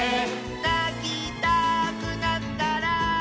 「なきたくなったら」